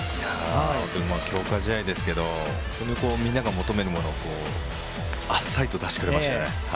本当に強化試合ですけどみんなが求めるものをあっさりと出してくれましたよね。